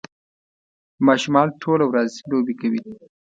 ماشومان ټوله ورځ لوبې کوي.